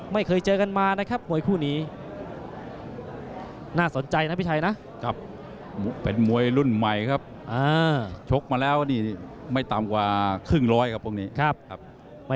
ไม่เคยเจอกันมานะครับมวยคู่นี้น่าสนใจนะพี่ชัยนะ